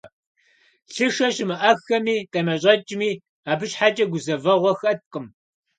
Лъышэ щымыӀэххэми къемэщӀэкӀми, абы щхьэкӀэ гузэвэгъуэ хэткъым.